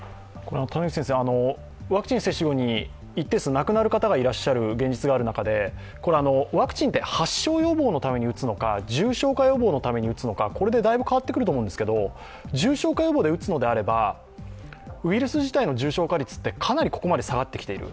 ワクチン接種後に一定数亡くなる方がいらっしゃる現実がある中でワクチンって発症予防のために打つのか、重症化予防のために打つのかによって変わってくると思うんですけど重症化予防で打つのであればウイルス自体の重症化率はかなりここまで下がってきている。